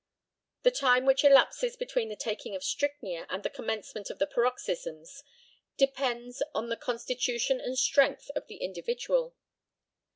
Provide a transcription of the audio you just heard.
The time which elapses between the taking of strychnia and the commencement of the paroxysms depends on the constitution and strength of the individual.